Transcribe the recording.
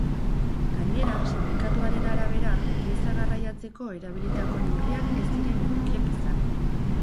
Gainera, sindikatuaren arabera, pieza garraiatzeko erabilitako neurriak ez ziren egokiak izan.